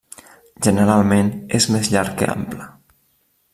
Generalment és més llarg que ample.